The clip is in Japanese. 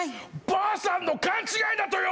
ばあさんの勘違いだとよ！